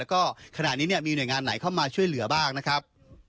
ก็ขณะนี้มีหน่วยงานไหนเข้ามาช่วยเหลือบ้างนะครับ